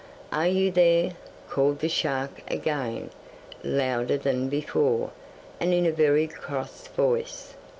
'Are you there?' called the shark again, louder than before, and in a very cross voice.